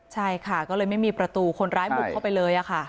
ใช่ค่ะก็เลยไม่มีประตูคนร้ายบุกเข้าไปเลยค่ะ